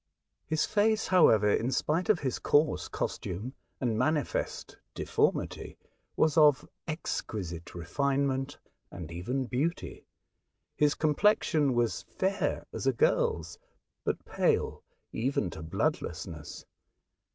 His face, however, in spite of his coarse costume and manifest deformity, was of exquisite refinement and even beauty. His complexion was fair as a girl's, but pale even to bloodlessness.